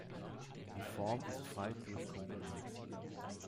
Die Form ist frei durchkomponiert.